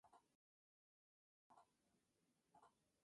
Otras calles importantes son Villalba, Villanueva y Villafranca.